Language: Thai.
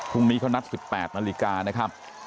พรุ่งนี้เขานัด๑๘นนะครับ